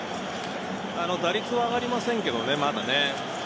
打率は上がりませんけどね、まだ。